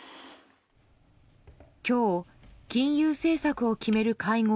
今日、金融政策を決める会合